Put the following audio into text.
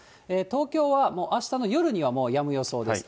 東京はもうあしたの夜にはもうやむ予想です。